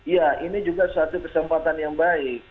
ya ini juga suatu kesempatan yang baik